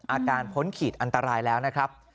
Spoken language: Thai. พ้นขีดอันตรายแล้วนะครับ